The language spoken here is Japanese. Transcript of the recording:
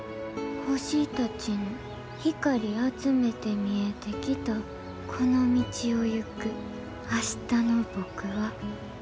「星たちの光あつめて見えてきたこの道をいく明日の僕は」。